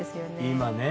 今ね。